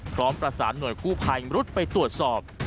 พร้อมประสานหน่วยกู้ภัยมรุดไปตรวจสอบ